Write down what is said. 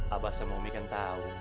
abah sama umi kan tahu